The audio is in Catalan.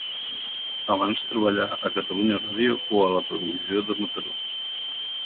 Abans treballà a Catalunya Ràdio o a la Televisió de Mataró.